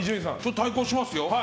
対抗しますよ。